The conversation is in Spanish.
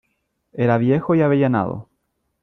era viejo y avellanado :